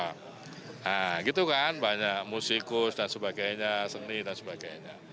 nah gitu kan banyak musikus dan sebagainya seni dan sebagainya